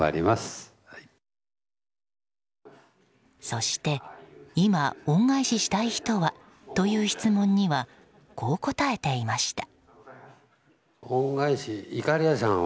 そして、今、恩返ししたい人はという質問にはこう答えていました。